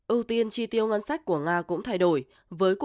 ưu tiên tri tiêu ngân sách của nga cũng thay đổi